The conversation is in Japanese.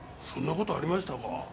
そんな事ありましたか？